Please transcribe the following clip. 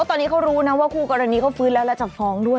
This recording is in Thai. ตอนนี้เขารู้นะว่าคู่กรณีเขาฟื้นแล้วแล้วจะฟ้องด้วย